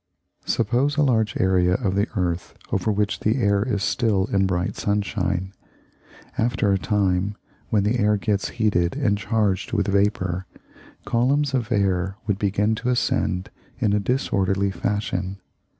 Suppose a large area on the earth over which the air is still in bright sunshine. After a time, when the air gets heated and charged with vapour, columns of air would begin to ascend in a disorderly fashion.